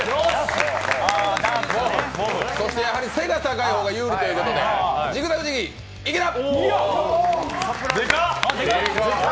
そしてやはり背が高いのが有利ということでジグザグジギー・池田！